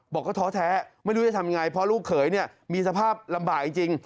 บอกก็ท้อแท้ไม่รู้จะทำยังไงเพราะลูกเขยเนี่ยมีสภาพลำบากจริง